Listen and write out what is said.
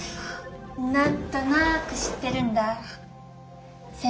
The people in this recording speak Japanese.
なんとなく知ってるんだあっ。